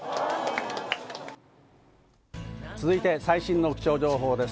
続いて最新の気象情報です。